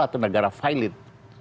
atau negara fail it